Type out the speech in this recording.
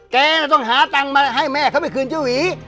แกต้องหาตังค์มาให้แม่เขาไปคืนเจ้าหวี